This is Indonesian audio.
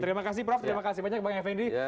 terima kasih prof terima kasih banyak bang f fedy